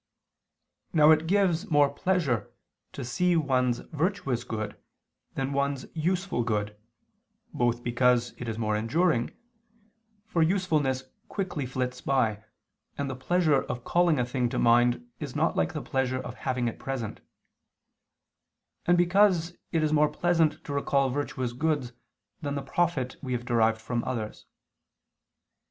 Now it gives more pleasure to see one's virtuous good than one's useful good, both because it is more enduring, for usefulness quickly flits by, and the pleasure of calling a thing to mind is not like the pleasure of having it present and because it is more pleasant to recall virtuous goods than the profit we have derived from others.